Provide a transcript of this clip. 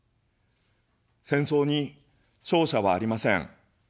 戦争に勝者はありません。